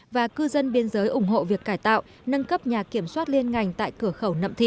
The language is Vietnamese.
và cư dân biên giới ủng hộ việc cải tạo nâng cấp nhà kiểm soát liên ngành tại cửa khẩu nậm thi